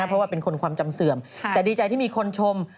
เพราะว่าเป็นคนความจำเสื่อมแต่ดีใจที่มีคนชม